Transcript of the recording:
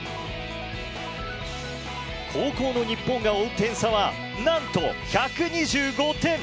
後攻の日本が追う点差はなんと１２５点。